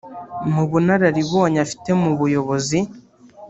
Mu bunararibonye afite mu buyobozi